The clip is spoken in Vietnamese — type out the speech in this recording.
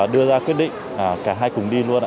đưa ra quyết định cả hai cùng đi luôn